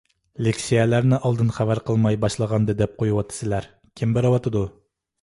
لېكسىيەلەرنى ئالدىن خەۋەر قىلماي باشلىغاندا دەپ قويۇۋاتىسىلەر. كىم بېرىۋاتىدۇ؟